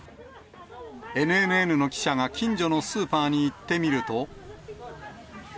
ＮＮＮの記者が近所のスーパーに行ってみると。